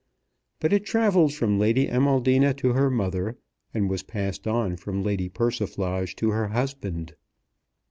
But it travelled from Lady Amaldina to her mother, and was passed on from Lady Persiflage to her husband.